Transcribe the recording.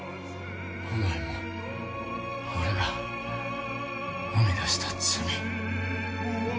お前も俺が生み出した罪。